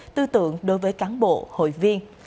tư tượng đối với cán bộ hội viên